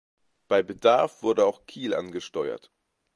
Bei Bedarf wurde auch Kiel angesteuert.